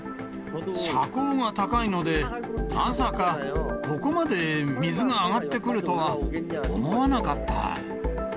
車高が高いので、まさかここまで水が上がってくるとは思わなかった。